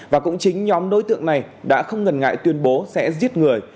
và cũng chính nhóm đối tượng này đã không ngần ngại tuyên bố sẽ giết người